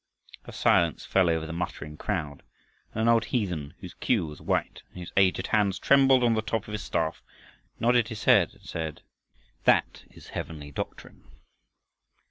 A silence fell over the muttering crowd, and an old heathen whose cue was white and whose aged hands trembled on the top of his staff, nodded his head and said, "That is heavenly doctrine."